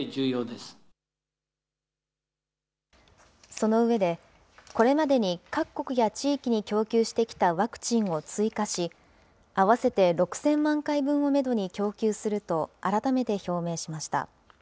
その上で、これまでに各国や地域に供給してきたワクチンを追加し、合わせて６０００万回分をメドに供給すると改めて表明しました。